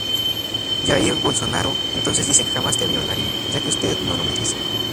Jair Bolsonaro entonces dice: ""Jamás te violaría, ya que usted no lo merece"".